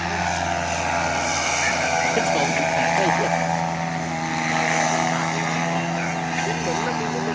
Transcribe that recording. และที่สุดท้ายและที่สุดท้าย